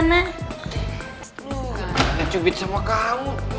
lu gak ada cubit sama kamu